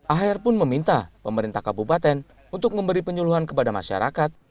aher pun meminta pemerintah kabupaten untuk memberi penyuluhan kepada masyarakat